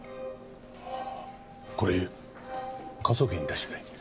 これ科捜研に出してくれ。